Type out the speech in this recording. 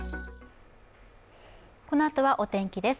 このあとはお天気です。